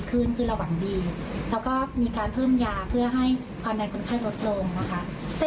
ซึ่งตอนนี้การรักษาของเราก็คือ